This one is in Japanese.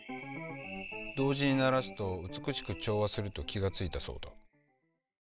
同時に鳴らすと美しく調和すると気が付いたそうだ。